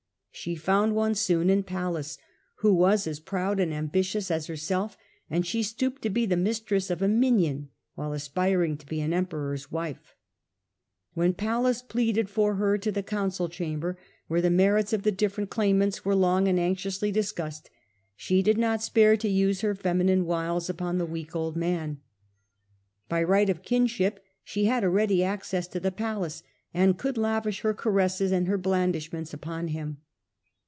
She found one soon in Pallas, who was as proud and ambitious as herself, and she stooped to be the mistress of a minion while aspiring to be an Emperor's wife. When Pallas pleaded for her in the council chamber, where the merits of the different claimants were long and anxiously discussed, she did not spare to use her feminine wiles upon the weak old man. By right of kinship she had a ready access to the palace, and could lavish her caresses and her blandish ments upon him.